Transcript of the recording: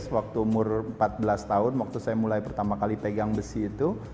waktu saya mulai pertama kali pegang besi itu